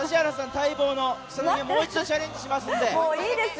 待望のもう一度チャレンジしますんで。